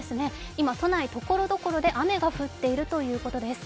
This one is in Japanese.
今、都内、ところどころで雨が降っているということです。